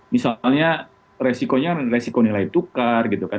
misalnya resikonya resiko nilai tukar gitu kan